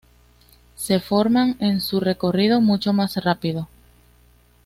Se forman en su recorrido muchos rápidos.